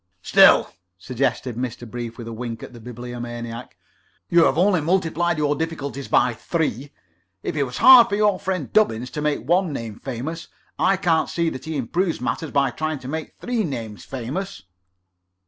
"Still," suggested Mr. Brief, with a wink at the Bibliomaniac, "you have only multiplied your difficulties by three. If it was hard for your friend Dubbins to make one name famous, I can't see that he improves matters by trying to make three names famous."